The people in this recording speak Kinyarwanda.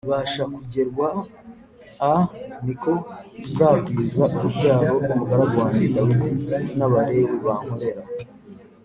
Basha kugerwa a ni ko nzagwiza urubyaro rw umugaragu wanjye dawidi n abalewi bankorera